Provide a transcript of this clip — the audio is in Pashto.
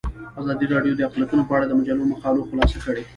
ازادي راډیو د اقلیتونه په اړه د مجلو مقالو خلاصه کړې.